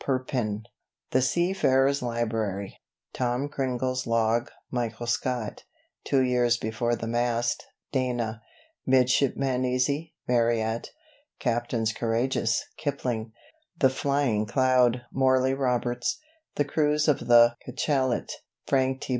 Perpend.... The Sea Farer's Library Tom Cringle's Log Michael Scott Two Years Before the Mast Dana Midshipman Easy Marryat Captains Courageous Kipling The Flying Cloud Morley Roberts The Cruise of the Cachalot Frank T.